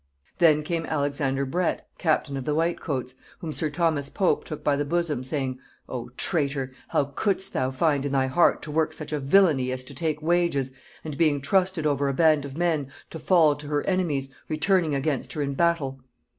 Then came Alexander Bret, (captain of the white coats,) whom sir Thomas Pope took by the bosom, saying, 'O traitor! how couldst thou find in thy heart to work such a villainy as to take wages, and being trusted over a band of men, to fall to her enemies, returning against her in battle?'